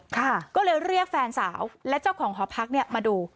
ก็เลยเรียกแฟนสาวและเจ้าของหอพักเนี่ยมาดู